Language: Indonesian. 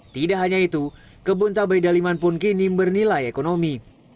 tidak hanya itu kebun cabai daliman pun kini bernilai ekonomi